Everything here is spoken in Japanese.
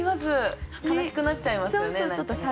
悲しくなっちゃいますよね何かね。